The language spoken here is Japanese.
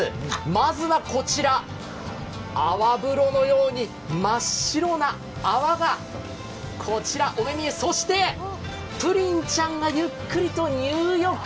まずはこちら、泡風呂のように真っ白な泡がお目見えそしてプリンちゃんがゆっくりと入浴。